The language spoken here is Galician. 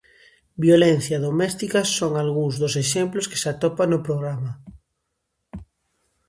Violencia doméstica son algúns dos exemplos que se atopan no programa.